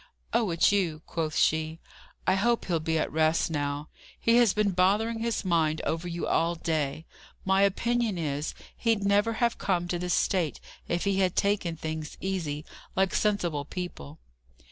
"Oh, it's you!" quoth she. "I hope he'll be at rest now. He has been bothering his mind over you all day. My opinion is, he'd never have come to this state if he had taken things easy, like sensible people."